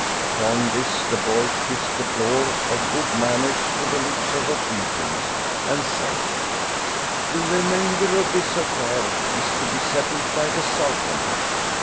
Upon this the boy kissed the floor of good manners with the lips of obedience, and said :" The remainder of this affair is to be settled by the Sultan."